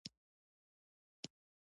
شېرګل د توت خوند ونه موند.